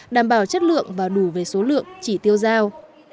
đảm bảo chất lượng và đủ về số lượng chỉ tiêu giao